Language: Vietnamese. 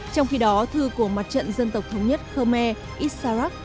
trong khi đó thư của mặt trận dân tộc thống nhất khmer isarak